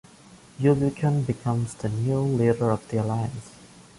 Yue Buqun becomes the new leader of the alliance.